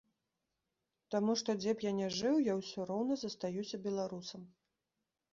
Таму што, дзе б я не жыў, я ўсё роўна застаюся беларусам.